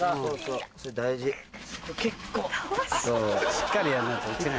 しっかりやんないと落ちない。